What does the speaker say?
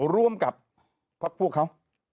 ร่วมกับพวกเขา